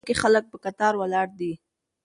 په واکسین مرکزونو کې خلک په کتار ولاړ دي.